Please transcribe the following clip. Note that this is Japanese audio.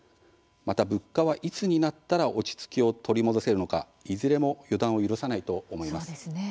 また物価はいつになったら落ち着きを取り戻せるのかいずれも予断を許さないと思います。